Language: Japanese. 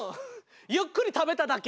ゆっくり食べただけ。